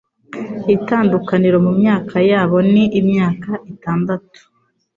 Itandukaniro mumyaka yabo ni imyaka itandatu